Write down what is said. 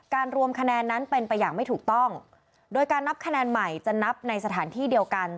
รวมคะแนนนั้นเป็นไปอย่างไม่ถูกต้องโดยการนับคะแนนใหม่จะนับในสถานที่เดียวกัน